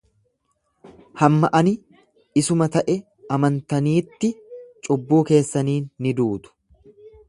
Hamma ani isuma ta'e amantaniitti cubbuu keessaniin ni duutu.